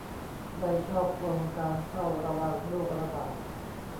ใครชอบโครงการเฝ้าระวังโรคระบาด